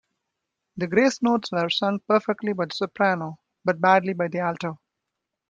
The grace notes were sung perfectly by the soprano, but badly by the alto